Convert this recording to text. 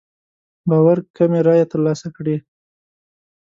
باور کمې رايې تر لاسه کړې.